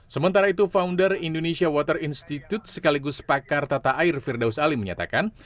sementara itu founder indonesia water institute sekaligus pakar tata air firdaus ali menyatakan